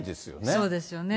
そうですよね。